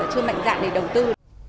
chưa mạnh dạng để đầu tư